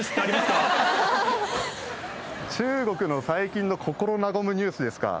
中国の最近の心和むニュースですか。